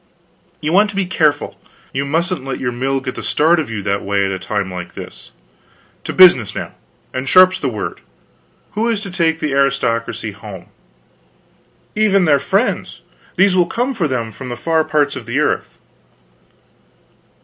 You want to be careful; you mustn't let your mill get the start of you that way, at a time like this. To business now and sharp's the word. Who is to take the aristocracy home?" "Even their friends. These will come for them from the far parts of the earth."